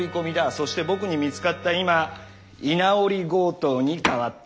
そして僕に見つかった今居直り強盗に変わった。